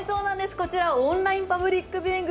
こちらオンラインパブリックビューイング